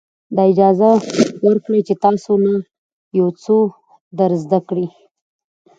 دا اجازه ورکړئ چې تاسو ته یو څه در زده کړي.